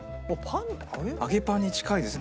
揚げパンに近いですね